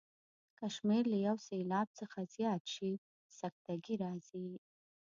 که شمېر له یو سېلاب څخه زیات شي سکته ګي راځي.